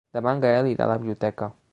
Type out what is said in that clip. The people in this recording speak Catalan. Demà en Gaël irà a la biblioteca.